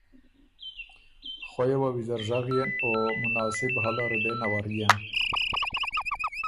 خؤیه وه ویزر ژغيېن او مناسب حله ره دې نَوَريېن۔